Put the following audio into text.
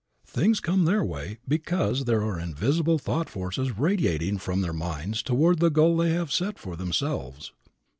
Things come their way because there are invisible thought forces radiating from their minds toward the goal they have set for themselves.